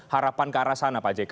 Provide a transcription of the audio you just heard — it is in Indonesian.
harapan ke arah sana pak jk